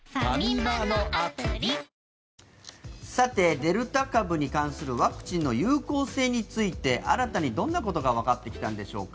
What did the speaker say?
デルタ株に関するワクチンの有効性について新たにどんなことがわかってきたんでしょうか。